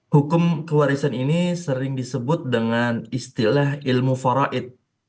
hukum kewarisan ini sering disebut dengan istilah ilmu farait